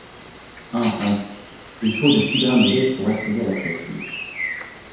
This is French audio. Enfin: il faut de si grands mérites pour accéder à la prêtrise.